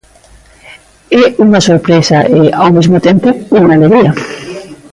É unha sorpresa e, ao mesmo tempo, unha alegría.